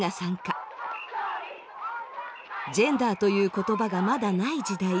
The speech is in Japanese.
ジェンダーという言葉がまだない時代